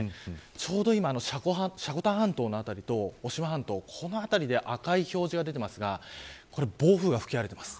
ちょうど積丹半島の辺りと渡島半島この辺りで赤い表示が出ていますがこれ暴風が吹き荒れています。